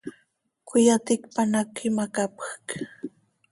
Cöiyaticpan hac imacapjc.